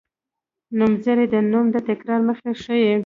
نومځری د نوم د تکرار مخه ښيي.